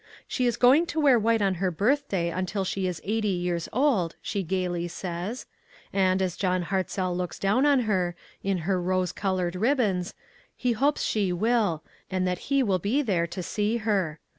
She is going to wear white on her birthday until she is eighty years old, she gayly says, and, as John Hartzell looks down THE PAST AND THE PRESENT. l8l on her, in her rose colored ribbons, he hopes she will, and that he will be there to see her.